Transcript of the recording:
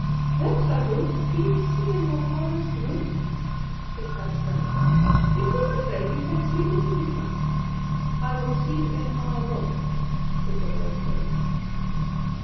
"There's a ghost been seen in your father's room," said Tant Sannie. "If you're afraid you can sleep in the kitchen." "I will sleep in our room," said the boy slowly.